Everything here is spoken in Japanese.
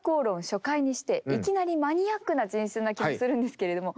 初回にしていきなりマニアックな人選な気がするんですけれども。